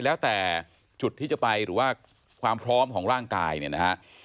แล้วแต่จุดที่จะไปหรือว่าความพร้อมของร่างกายเนี่ยนะฮะ